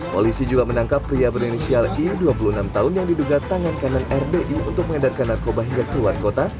polisi juga menangkap pria berinisial y dua puluh enam tahun yang diduga tangan kanan rbi untuk mengedarkan narkoba hingga keluar kota